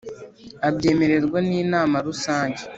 Abyemererwa n ‘Inama Rusange .